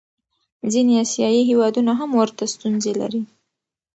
ځینې آسیایي هېوادونه هم ورته ستونزې لري.